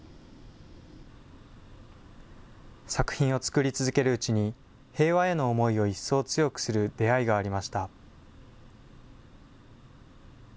作品を作り続けるうちに、平和への思いを一層強くする出会いがありました。